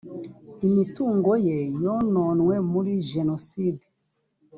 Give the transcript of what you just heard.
imitungo ye yononwe muri jenoside